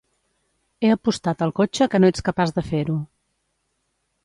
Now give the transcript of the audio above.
He apostat el cotxe que no ets capaç de fer-ho.